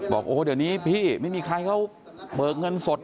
บอกโอ้เดี๋ยวนี้พี่ไม่มีใครเขาเบิกเงินสด